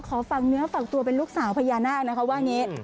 ขอฟังเนื้อฝักตัวเป็นลูกสาวพญานาคว่าอย่างนี้